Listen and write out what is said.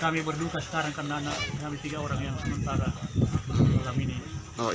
kami berduka sekarang karena kami tiga orang yang sementara